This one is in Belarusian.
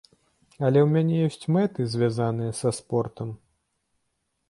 Але ў мяне ёсць мэты, звязаныя са спортам.